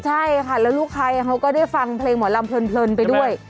ใช่ค่ะแล้วลูกค้าเขาก็ได้ฟังเพลงหมอลำเพลินไปด้วย